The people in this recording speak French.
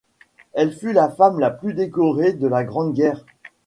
Elle fut la femme la plus décorée de la Grande Guerre.